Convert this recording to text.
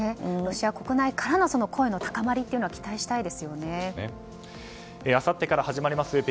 ロシア国内からの声の高まりというのをあさってから始まります